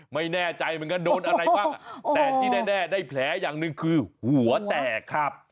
ไม่แน่ใจเหมือนกันโดนอะไรบ้างแต่ที่แน่ได้แผลอย่างหนึ่งคือหัวแตกครับ